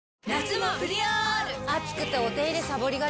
暑くてお手入れさぼりがち。